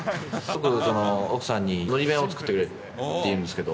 奥さんにのり弁を作ってくれって言うんですけど。